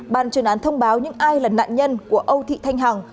ban chuyên án thông báo những ai là nạn nhân của âu thị thanh hằng